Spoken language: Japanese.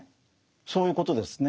そういうことですね。